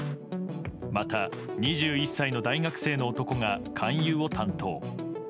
また、２１歳の大学生の男が勧誘を担当。